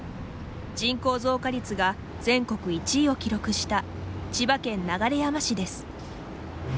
人口増加率が全国１位を記録した千葉県流山市です。